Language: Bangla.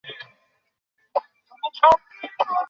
আর্কটিকে চলাচলের জিপটা কোথায়?